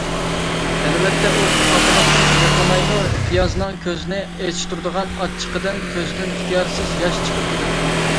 ئەلۋەتتە، ئۇ خاپىلىقتىن يىغلىمايدۇ، پىيازنىڭ كۆزنى ئېچىشتۇرىدىغان ئاچچىقىدىن كۆزدىن ئىختىيارسىز ياش چىقىپ كېتىدۇ.